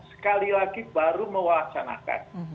sekali lagi baru mewacanakan